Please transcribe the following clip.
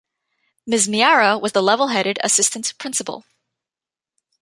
Ms. Meara was the level-headed assistant principal.